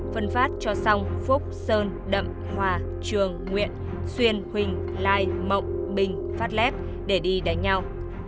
phân phát cho song phúc sơn đậm hòa trường nguyễn xuyên huỳnh lai mộng bình phát lép để đi đánh nhau